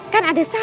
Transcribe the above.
kan ada saya